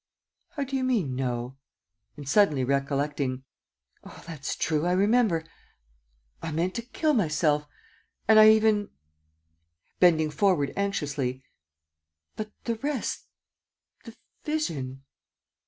"How do you mean, no?" And, suddenly recollecting, "Oh, that's true, I remember. ... I meant to kill myself ... and I even ..." Bending forward anxiously, "But the rest, the vision